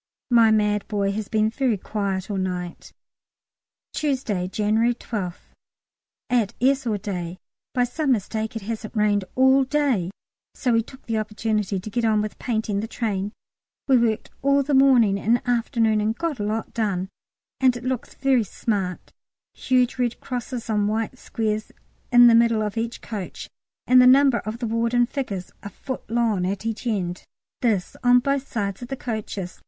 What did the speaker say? My mad boy has been very quiet all night. Tuesday, January 12th. At S. all day. By some mistake it hasn't rained all day, so we took the opportunity to get on with painting the train. We worked all the morning and afternoon and got a lot done, and it looks very smart: huge red crosses on white squares in the middle of each coach, and the number of the ward in figures a foot long at each end: this on both sides of the coaches.